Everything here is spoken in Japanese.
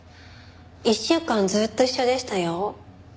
１週間ずっと一緒でしたよ。